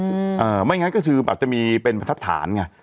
ไม่อย่างนั้นก็คือแบบจะมีเป็นทัศน